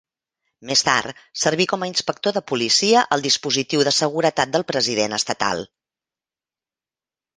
Més tard, serví com a inspector de policia al dispositiu de seguretat del president estatal.